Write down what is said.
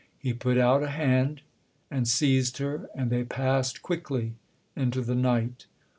He put out a hand and seized her, and they passed quickly into the night.